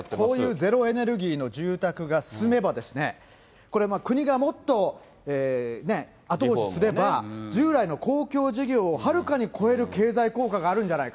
こういうゼロエネルギーの住宅が進めば、これ国がもっと後押しすれば、従来の公共事業をはるかに超える経済効果があるんじゃないか。